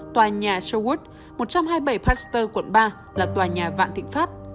tòa nhà showood một trăm hai mươi bảy pasteur quận ba là tòa nhà vạn thịnh pháp